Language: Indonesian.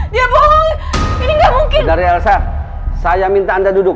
demi saudari al saud